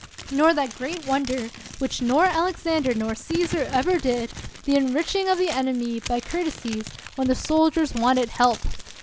Nor that great wonder, which nor Alexander nor Caesar ever did, the enriching of the enemy by courtesies when the soldiers wanted help